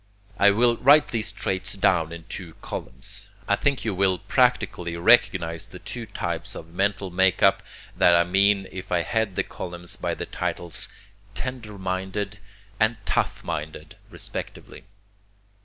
I will write these traits down in two columns. I think you will practically recognize the two types of mental make up that I mean if I head the columns by the titles 'tender minded' and 'tough minded' respectively.